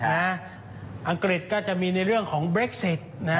อังกฤษก็จะมีในเรื่องของเบรคเซต